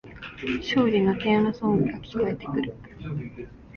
勝利のテーマソングが聞こえてくる